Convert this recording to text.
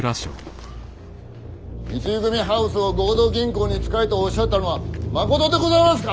三井組ハウスを合同銀行に使えとおっしゃったのはまことでございますか！